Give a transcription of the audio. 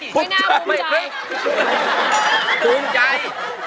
ภูมิใจ